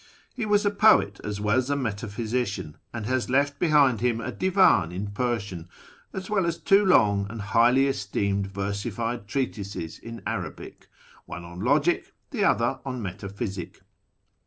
He was a poet as well as a metaphysician, and has left behind him a Divan in Persian, as well as two long and highly esteemed versified treatises in Arabic, one on logic, the other on metaphysic.